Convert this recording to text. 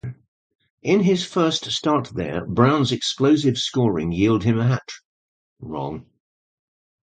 In his first start there, Brown's explosive scoring yielded him a hat-trick.